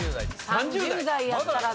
３０代やったら。